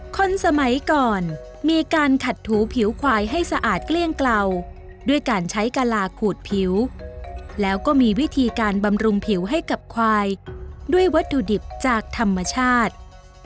คนสมัยก่อนมีการขัดถูผิวควายให้สะอาดเกลี้ยงเกลาด้วยการใช้กะลาขูดผิวแล้วก็มีวิธีการบำรุงผิวให้กับควายด้วยวัตถุดิบจากธรรมชาติ